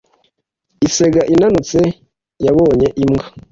isega inanutse yabonye imbwa